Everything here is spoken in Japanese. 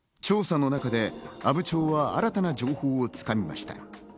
調査の中で阿武町は新たな情報を掴みました。